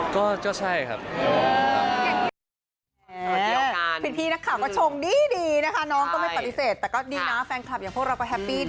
ก็ใช่ครับ